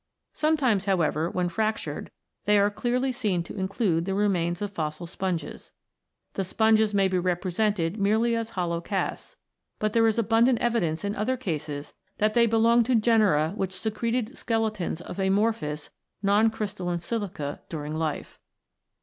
Sometimes, however, when fractured, they are clearly seen to include the remains of fossil sponges. The sponges may be represented merely as hollow casts ; but there is abundant evidence in other cases that they belong to genera which secreted skeletons of amorphous (non crystalline) silica during life.